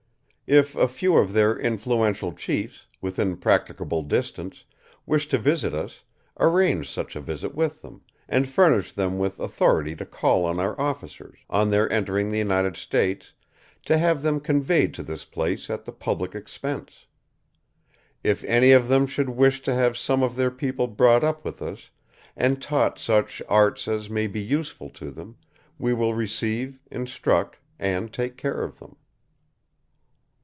If a few of their influential chiefs, within practicable distance, wish to visit us, arrange such a visit with them, and furnish them with authority to call on our officers, on their entering the United States, to have them conveyed to this place at the public expense. If any of them should wish to have some of their people brought up with us, and taught such arts as may be useful to them, we will receive, instruct, and take care of them."